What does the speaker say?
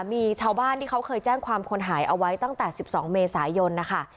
มีชาวบ้านที่เขาเคยแจ้งความคนหายเอาไว้ตั้งแต่๑๒เมษายนนะคะ